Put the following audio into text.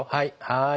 はい。